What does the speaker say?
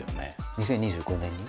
２０２５年に？